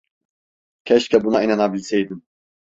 Keşke buna inanabilseydim.